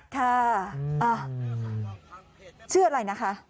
ค่ะชื่ออะไรนะคะ